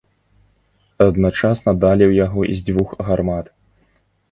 Адначасна далі ў яго з дзвюх гармат.